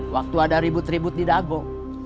waktu ada ribut ribut didagung